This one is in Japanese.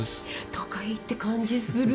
都会って感じする。